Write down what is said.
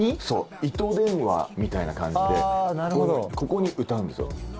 そう糸電話みたいな感じでここに歌うんですよ。